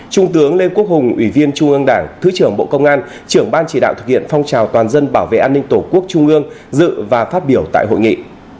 trung tướng lê quốc hùng ủy viên trung ương đảng thứ trưởng bộ công an trưởng ban chỉ đạo thực hiện phong trào toàn dân bảo vệ an ninh tổ quốc trung ương dự và phát biểu tại hội nghị